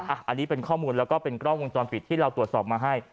อันนี้เป็นข้อมูลแล้วก็เป็นกล้องวงจรปิดที่เราตรวจสอบมาให้